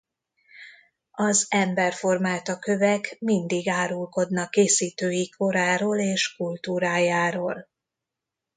Az ember formálta kövek mindig árulkodnak készítőik koráról és kultúrájáról.